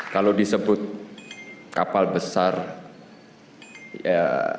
kalau disebut kapal besar ya